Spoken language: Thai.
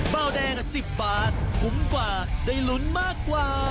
เบาแดง๑๐บาทคุ้มกว่าได้ลุ้นมากกว่า